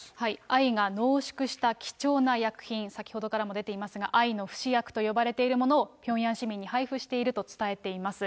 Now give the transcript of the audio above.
愛が濃縮した貴重な薬品、先ほどからも出ていますが、愛の不死薬と呼ばれているものを、ピョンヤン市民に配布していると伝えています。